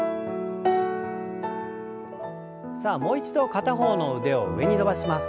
さあもう一度片方の腕を上に伸ばします。